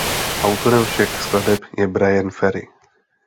Autorem všech skladeb je Bryan Ferry.